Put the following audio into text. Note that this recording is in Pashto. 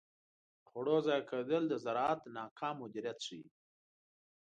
د خوړو ضایع کیدل د زراعت ناکام مدیریت ښيي.